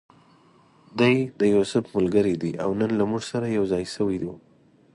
دی د یوسف ملګری دی او نن له موږ سره یو ځای شوی و.